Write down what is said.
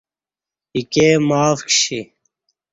ایکے معاف کشی